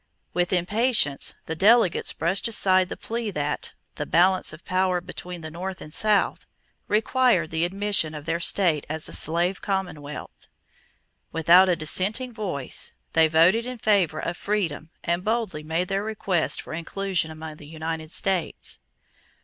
With impatience, the delegates brushed aside the plea that "the balance of power between the North and South" required the admission of their state as a slave commonwealth. Without a dissenting voice, they voted in favor of freedom and boldly made their request for inclusion among the United States.